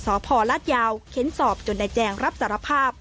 สอพอร์ราชยาวเค้นสอบจนในแจงรับสารภาพ